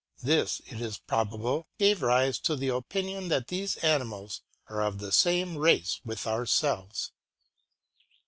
This, it is probable, gave rise to the opinion that these animals are of the same race with ourselves.